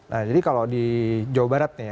nah jadi kalau di jawa barat nih ya